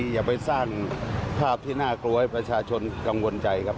อย่าไปสร้างภาพที่น่ากลัวให้ประชาชนกังวลใจครับ